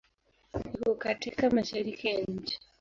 Iko katika Mashariki ya nchi.